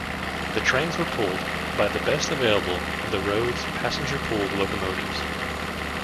The trains were pulled by the best available of the road's passenger pool locomotives.